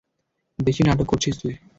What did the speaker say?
বেশি নাটক করছিস তুই।